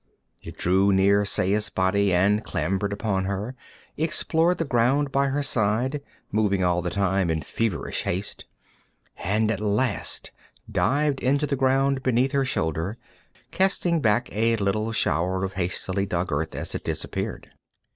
It drew near Saya's body and clambered upon her, explored the ground by her side, moving all the time in feverish haste, and at last dived into the ground beneath her shoulder, casting back a little shower of hastily dug earth as it disappeared.